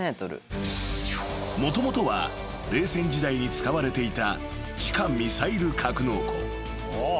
［もともとは冷戦時代に使われていた地下ミサイル格納庫］